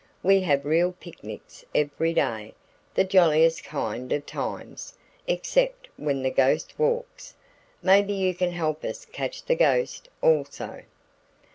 We have real picnics every day, the jolliest kind of times except when the ghost walks. Maybe you can help us catch the ghost, also."